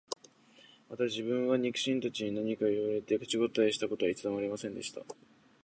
また自分は、肉親たちに何か言われて、口応えした事は一度も有りませんでした